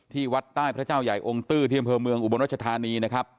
ที่วัดใต้พระเจ้าใหญ่องค์ตื้อเทียมเพลิมเมืองอุบรรณชธานีนะครับ